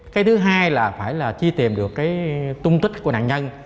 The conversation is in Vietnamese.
cái thứ hai là phải là chi tìm được cái tung tích của nạn nhân